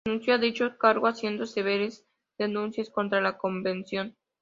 Renunció a dicho cargo haciendo severas denuncias contra la convención.